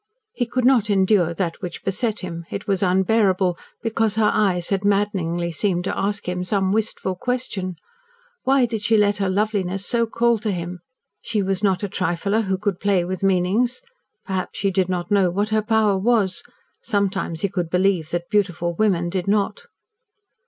He could not endure that which beset him; it was unbearable, because her eyes had maddeningly seemed to ask him some wistful question. Why did she let her loveliness so call to him. She was not a trifler who could play with meanings. Perhaps she did not know what her power was. Sometimes he could believe that beautiful women did not.